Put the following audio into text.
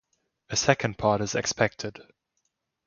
A second part is expected.